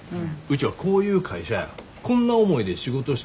うちはこういう会社やこんな思いで仕事してる